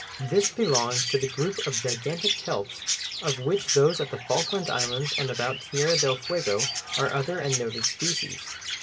This belongs to the group of gigantic kelps of which those at the Falkland Islands and about Tierra del Fuego are other and noted species.